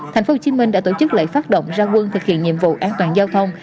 thành phố hồ chí minh đã tổ chức lễ phát động ra quân thực hiện nhiệm vụ an toàn giao thông